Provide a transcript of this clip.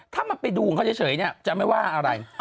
ถ้ามาไปดูเกาะเฉยจะไม่ว่าอะไร